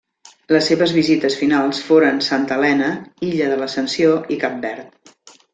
Les seves visites finals foren Santa Helena, Illa de l'Ascensió i Cap Verd.